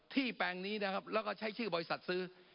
แปลงนี้นะครับแล้วก็ใช้ชื่อบริษัทซื้อ